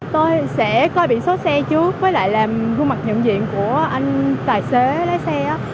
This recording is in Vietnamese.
tôi sẽ coi biển số xe trước với lại là gương mặt nhận diện của anh tài xế lái xe